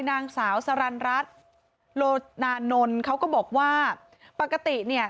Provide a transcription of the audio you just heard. นางสาวสรรรัฐโลนานนท์เขาก็บอกว่าปกติเนี่ย